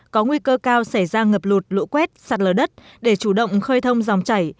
có nguy cơ cao xảy ra ngập lụt lũ quét sạt lở đất để chủ động khơi thông dòng chảy